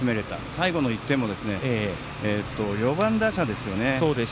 最後の１点も４番打者ですよね。